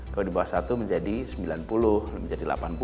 kalau di bawah satu menjadi sembilan puluh menjadi delapan puluh